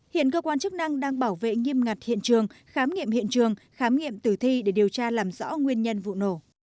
hiện cơ quan chức năng đang bảo vệ nghiêm ngặt hiện trường khám nghiệm hiện trường khám nghiệm tử thi để điều tra làm rõ nguyên nhân vụ nổ